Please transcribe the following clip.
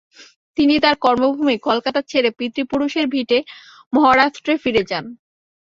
তিনি তাঁর কর্মভূমি কলকাতা ছেড়ে, পিতৃপুরুষের ভিটে মহারাষ্ট্রে ফিরে যান।